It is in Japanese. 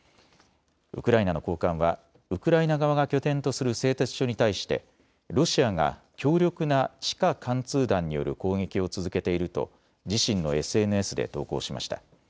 ウクライナの高官はウクライナ側が拠点とする製鉄所に対してロシアが強力な地下貫通弾による攻撃を続けていると自身のＳＮＳで投稿しました。